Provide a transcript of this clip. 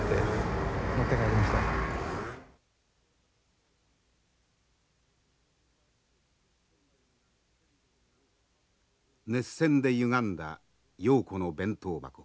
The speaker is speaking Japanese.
熱線でゆがんだ瑤子の弁当箱。